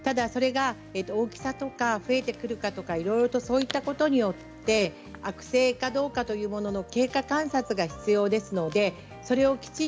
大きさとか増えてくるとかそういったことによって悪性かどうかというものの経過観察が必要です。